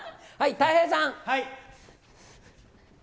たい平さん。